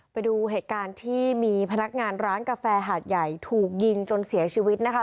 ไปดูเหตุการณ์ที่มีพนักงานร้านกาแฟหาดใหญ่ถูกยิงจนเสียชีวิตนะคะ